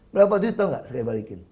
berapa duit tau gak saya balikin